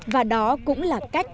và đó cũng là cách